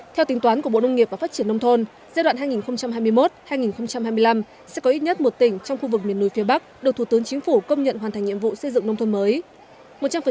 theo tính toán của bộ nông nghiệp và phát triển nông thôn giai đoạn hai nghìn hai mươi một hai nghìn hai mươi năm sẽ có ít nhất một tỉnh trong khu vực miền núi phía bắc được thủ tướng chính phủ công nhận hoàn thành nhiệm vụ xây dựng nông thôn mới